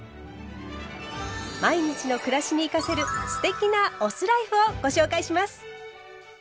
毎日の暮らしに生かせる“酢テキ”なお酢ライフをご紹介します。